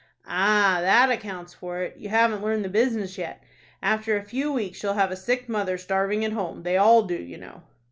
"Ah, that accounts for it. You haven't learned the business yet. After a few weeks you'll have a sick mother starving at home. They all do, you know."